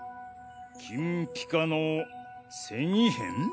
金ピカの繊維片？